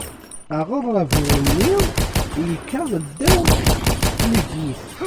Aɣerrabu-nni yekka ddaw tleggit.